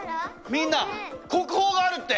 みんな国宝があるって！